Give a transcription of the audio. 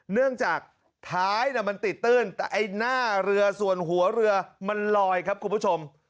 เนื่องจากท้ายมันติดตื้นแต่ไอ้หน้าเรือส่วนหัวเรือมันลอยครับคุณผู้ชม